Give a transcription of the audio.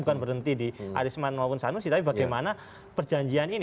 bukan berhenti di arisman maupun sanusi tapi bagaimana perjanjian ini